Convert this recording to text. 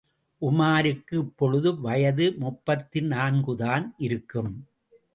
உமாருக்கு இப்பொழுது வயது முப்பத்தினான்குதான் இருக்கும்.